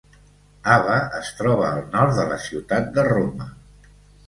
Ava es troba al nord de la ciutat de Roma.